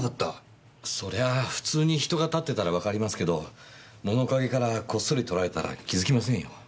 そりゃあ普通に人が立ってたらわかりますけど物陰からこっそり撮られたら気づきませんよ。